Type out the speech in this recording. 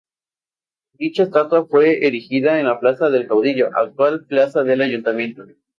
Dicha estatua fue erigida en la Plaza del Caudillo, actual Plaza del Ayuntamiento.